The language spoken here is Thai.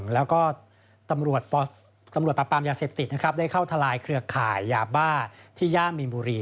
แล้วก็ตำรวจปราบปรามยาเสพติดนะครับได้เข้าทลายเครือข่ายยาบ้าที่ย่ามีนบุรี